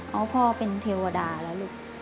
เพราะพ่อเป็นเทวดาแล้วลูก